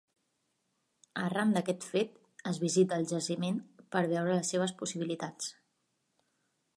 Arran d'aquest fet es visita el jaciment per veure les seves possibilitats.